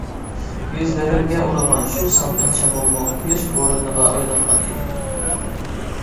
يۈزلىرىمگە ئۇرۇلغان شۇ سالقىن شامالمۇ قۇياش بورىنىغا ئايلانغان ئىدى.